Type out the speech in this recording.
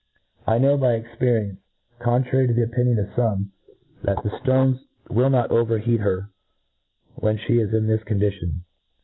I know by experience, contrary to the opinion of fome, that the ftones will not over heat her when (he is in this condition.